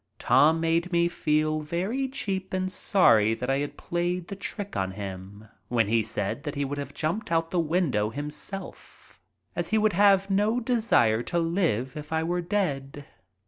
Tom made me feel very cheap and sorry that I had played the trick on him when he said that he would have jumped out of the window himself, as he would have no desire to live if I were dead.